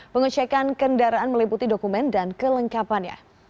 pengecekan kendaraan meliputi dokumen dan kelengkapannya